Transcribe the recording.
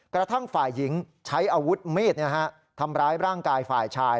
กระทั่งฝ่ายหญิงใช้อาวุธมีดทำร้ายร่างกายฝ่ายชาย